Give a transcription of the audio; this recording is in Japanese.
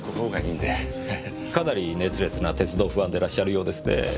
かなり熱烈な鉄道ファンでいらっしゃるようですねぇ。